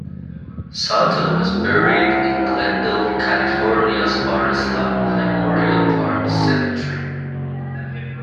Sawtell was buried in Glendale, California's Forest Lawn Memorial Park Cemetery.